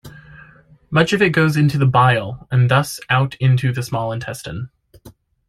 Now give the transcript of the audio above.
Much of it goes into the bile and thus out into the small intestine.